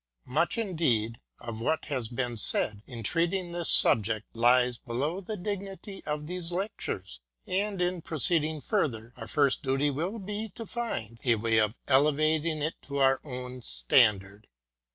Much, indeed, of what has been said in treating of this subject lies below the dignity of these lectures; and in proceeding further, our first duty will be to find a way of elevating it to our own standard.